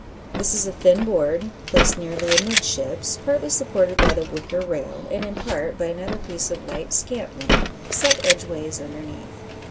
This is a thin board, placed nearly amidships, partly supported by the wicker rail, and in part by another piece of light scantling, set edgeways underneath.